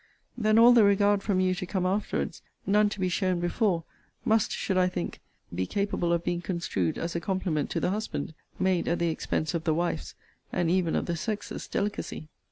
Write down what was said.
Then all the regard from you to come afterwards; none to be shown before; must, should I think, be capable of being construed as a compliment to the husband, made at the expense of the wife's and even of the sex's delicacy!